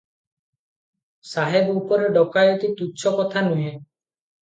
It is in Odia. ସାହେବ ଉପରେ ଡକାଏତି ତୁଚ୍ଛ କଥା ନୁହେଁ ।